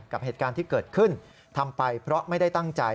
กับเหตุการณ์ที่เกิดขึ้นทำไปเพราะไม่ได้ตั้งใจ